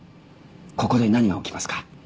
ここで何が起きますか？